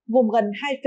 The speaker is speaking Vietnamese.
gồm gần một mươi tỷ đồng